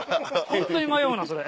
ホントに迷うなそれ。